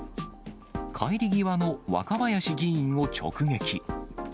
帰り際の若林議員を直撃。